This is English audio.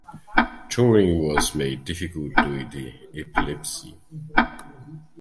Touring was made difficult due to epilepsy.